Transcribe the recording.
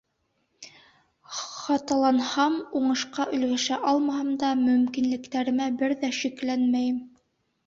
— Хаталанһам, уңышҡа өлгәшә алмаһам да, мөмкинлектәремә бер ҙә шикләнмәйем.